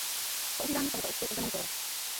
Používání tohoto účtu lze monitorovat.